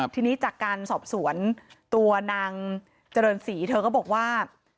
ทีนี้จากการสอบสวนตัวนางเจริญศรีเธอก็บอกว่า